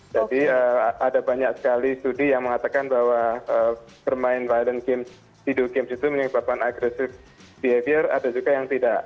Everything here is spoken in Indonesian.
jadi ada banyak sekali studi yang mengatakan bahwa permain violent games video games itu menyebabkan agresif behavior atau juga yang tidak